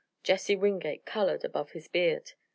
Jesse Wingate colored above his beard.